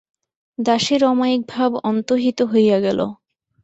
দাসীর অমায়িক ভাব অন্তহিত হইয়া গেল।